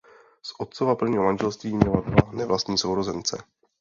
Z otcova prvního manželství měla dva nevlastní sourozence.